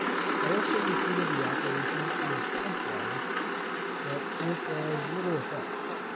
I also repeated the operation with pump water, but with as little effect.